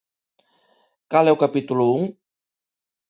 ¿Cal é o capítulo un?